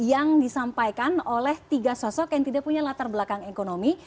yang disampaikan oleh tiga sosok yang tidak punya latar belakang ekonomi